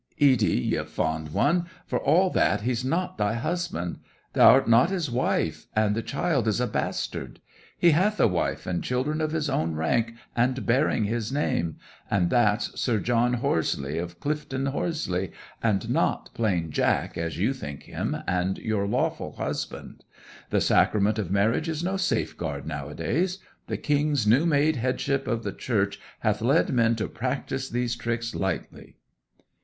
'Ede, ye fond one for all that he's not thy husband! Th' 'rt not his wife; and the child is a bastard. He hath a wife and children of his own rank, and bearing his name; and that's Sir John Horseleigh, of Clyfton Horseleigh, and not plain Jack, as you think him, and your lawful husband. The sacrament of marriage is no safeguard nowadays. The King's new made headship of the Church hath led men to practise these tricks lightly.'